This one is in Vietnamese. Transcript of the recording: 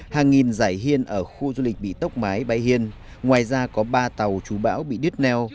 hàng nghìn giải hiên ở khu du lịch bị tốc mái bay hiên ngoài ra có ba tàu chú bão bị đứt neo